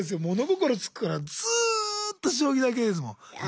心付く頃からずっと将棋だけですもん。